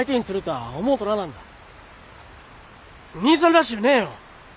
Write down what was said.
兄さんらしゅうねえよ。